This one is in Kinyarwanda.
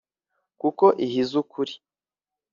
ko ihize ukuri,